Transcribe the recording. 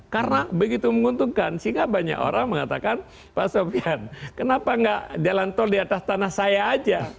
karena begitu menguntungkan sehingga banyak orang mengatakan pak sofyan kenapa tidak jalan tol di atas tanah saya saja